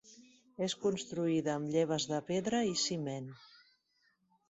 És construïda amb lleves de pedra i ciment.